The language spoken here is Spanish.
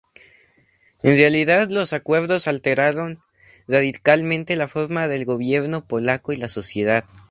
En realidad los acuerdos alteraron radicalmente la forma del gobierno polaco y la sociedad.